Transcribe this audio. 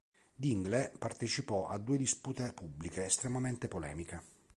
Dingle partecipò a due dispute pubbliche estremamente polemiche.